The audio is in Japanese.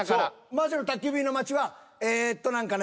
「魔女の宅急便」の街はえっと何かね